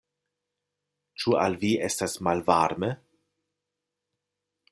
Ĉu al vi estas malvarme?